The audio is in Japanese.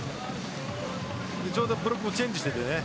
ちょうどブロックもチェンジしていて。